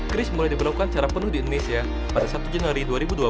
kris mulai diberlakukan secara penuh di indonesia pada satu januari dua ribu dua puluh